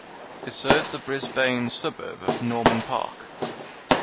It serves the Brisbane suburb of Norman Park.